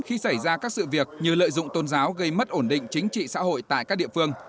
khi xảy ra các sự việc như lợi dụng tôn giáo gây mất ổn định chính trị xã hội tại các địa phương